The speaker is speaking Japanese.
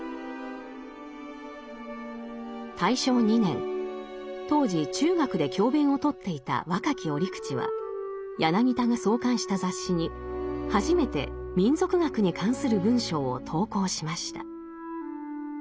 大正２年当時中学で教鞭を執っていた若き折口は柳田が創刊した雑誌に初めて民俗学に関する文章を投稿しました。